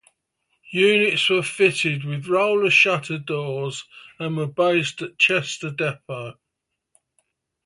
Units were fitted with roller shutter doors, and were based at Chester depot.